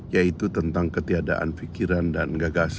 yaitu tentang ketiadaan pikiran dan gagasan